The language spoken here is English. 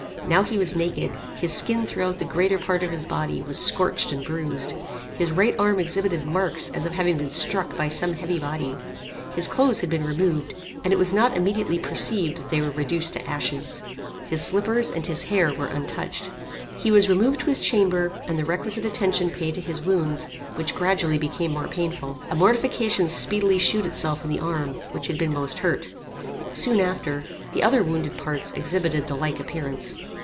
Now he was naked, his skin throughout the greater part of his body was scorched and bruised. His right arm exhibited marks as of having been struck by some heavy body. His clothes had been removed, and it was not immediately perceived that they were reduced to ashes. His slippers and his hair were untouched. He was removed to his chamber, and the requisite attention paid to his wounds, which gradually became more painful. A mortification speedily shewed itself in the arm, which had been most hurt. Soon after, the other wounded parts exhibited the like appearance.